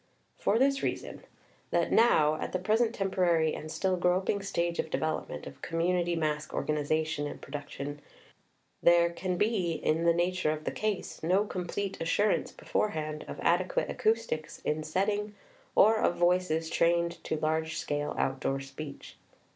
For this reason: that now at the present temporary xxvi PREFACE and still groping stage of development of community Masque organization and production there can be, in the nature of the case, no complete assurance beforehand of adequate acoustics in setting, or of voices trained to large scale outdoor speech.